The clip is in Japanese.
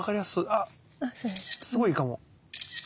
あっすごいいいかも。